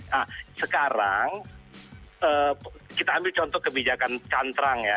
nah sekarang kita ambil contoh kebijakan cantrang ya